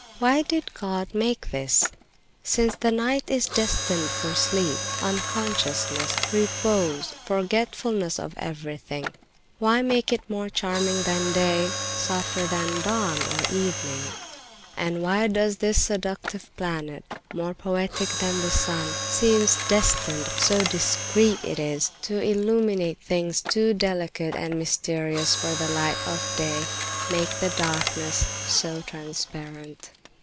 "Why did God make this? Since the night is destined for sleep, unconsciousness, repose, forgetfulness of everything, why make it more charming than day, softer than dawn or evening? And why does this seductive planet, more poetic than the sun, that seems destined, so discreet is it, to illuminate things too delicate and mysterious for the light of day, make the darkness so transparent?